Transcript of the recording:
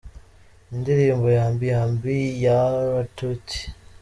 Indirimbo Yambi Yambi ya R Tuty :.